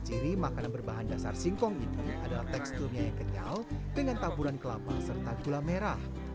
ciri makanan berbahan dasar singkong ini adalah teksturnya yang kenyal dengan taburan kelapa serta gula merah